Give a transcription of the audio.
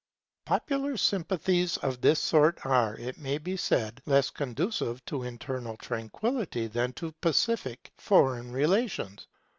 Popular sympathies of this sort are, it may be said, less conducive to internal tranquillity than to pacific foreign relations.